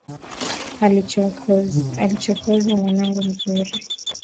Usimchokoze mwanangu mzuri.